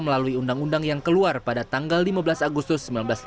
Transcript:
melalui undang undang yang keluar pada tanggal lima belas agustus seribu sembilan ratus lima puluh